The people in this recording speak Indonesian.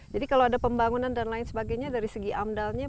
jadi kalau ada pembangunan dan lain sebagainya dari segi amdalnya